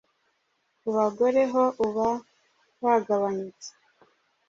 ku bagore ho uba wagabanyutse